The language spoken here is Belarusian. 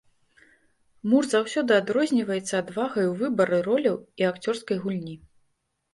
Мур заўсёды адрозніваецца адвагай у выбары роляў і акцёрскай гульні.